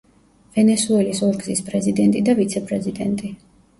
ვენესუელის ორგზის პრეზიდენტი და ვიცე-პრეზიდენტი.